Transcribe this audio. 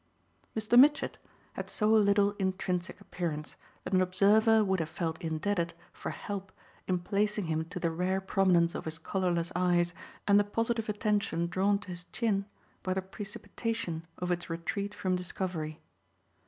Mr. Mitchett had so little intrinsic appearance that an observer would have felt indebted for help in placing him to the rare prominence of his colourless eyes and the positive attention drawn to his chin by the precipitation of its retreat from discovery.